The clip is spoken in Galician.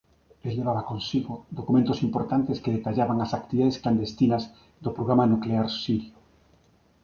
El levaba consigo documentos importantes que detallaban as actividades clandestinas do programa nuclear sirio.